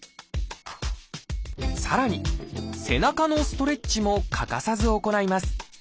さらに「背中のストレッチ」も欠かさず行います。